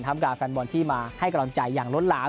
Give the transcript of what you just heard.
ทำการแฟนบอลที่มาให้กระล่อนใจอย่างล้นหลาม